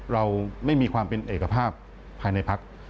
เราไม่มีความเป็นเอกภาพภายในพัก